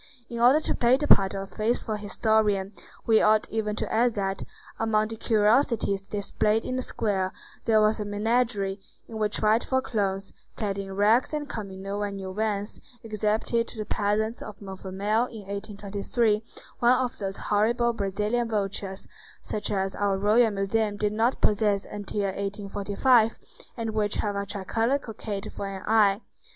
In order to play the part of a faithful historian, we ought even to add that, among the curiosities displayed in the square, there was a menagerie, in which frightful clowns, clad in rags and coming no one knew whence, exhibited to the peasants of Montfermeil in 1823 one of those horrible Brazilian vultures, such as our Royal Museum did not possess until 1845, and which have a tricolored cockade for an eye.